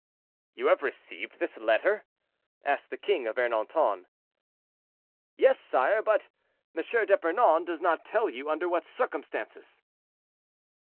"You have received this letter?" asked the king of Ernanton. "Yes, sire, but M. d'Epernon does not tell you under what circumstances."